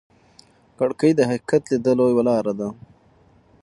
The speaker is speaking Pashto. کړکۍ د حقیقت لیدلو یوه لاره ده.